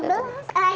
di bawah kan